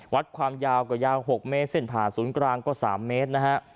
วัดความยาวก็ยาว๖เมตรเส้นผ่าศูนย์กลางก็๓เมตรนะฮะ